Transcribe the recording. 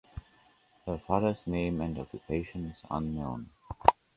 Her father's name and occupation is unknown.